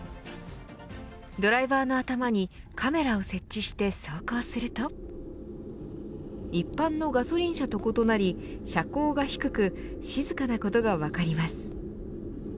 ドライバーの頭にカメラを設置して走行すると一般のガソリン車と異なり車高が低く静かなことが分かります。